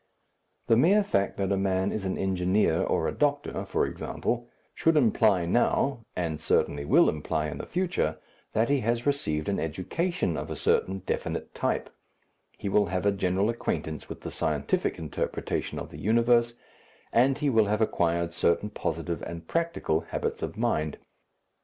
The mere fact that a man is an engineer or a doctor, for example, should imply now, and certainly will imply in the future, that he has received an education of a certain definite type; he will have a general acquaintance with the scientific interpretation of the universe, and he will have acquired certain positive and practical habits of mind.